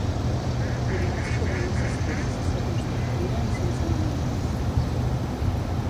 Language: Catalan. Dimarts podran assistir a la sessió constructiva i sense manilles.